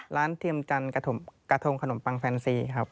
เทียมจันทร์กระทงขนมปังแฟนซีครับ